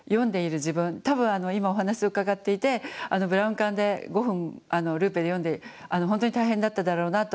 多分今お話を伺っていてブラウン管で５分ルーペで読んで本当に大変だっただろうなと思います。